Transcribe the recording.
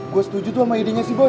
gue setuju tuh sama idenya sih bo